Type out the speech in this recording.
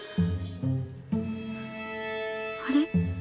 あれ？